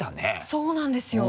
そうなんですよ。